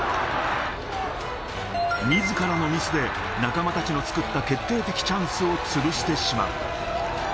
自らのミスで仲間たちの作った決定的チャンスを潰してしまう。